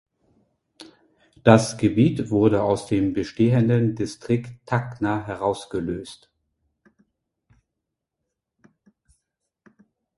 Das Gebiet wurde aus dem bestehenden Distrikt Tacna herausgelöst.